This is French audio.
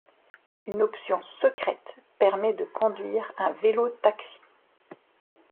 Une option secrète permet de conduire un vélo-taxi.